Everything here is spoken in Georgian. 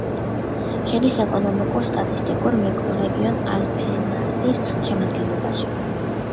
შედის ეკონომიკურ-სტატისტიკურ მიკრორეგიონ ალფენასის შემადგენლობაში.